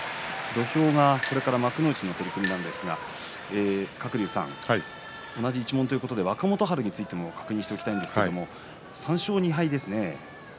土俵がこれから幕内の取組ですが鶴竜さん同じ一門ということで若元春についても確認していきたいんですが３勝２敗ですね。